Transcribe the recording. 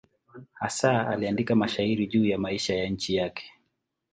Hasa aliandika mashairi juu ya maisha ya nchi yake.